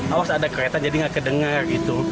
awas ada kereta jadi nggak kedengar gitu